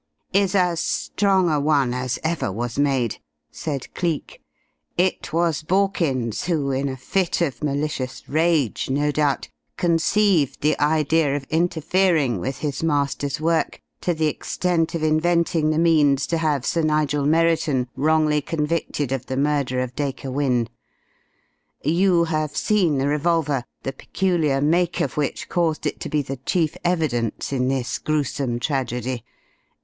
"Is as strong a one as ever was made," said Cleek. "It was Borkins who in a fit of malicious rage, no doubt conceived the idea of interfering with his master's work to the extent of inventing the means to have Sir Nigel Merriton wrongly convicted of the murder of Dacre Wynne. You have seen the revolver, the peculiar make of which caused it to be the chief evidence in this gruesome tragedy.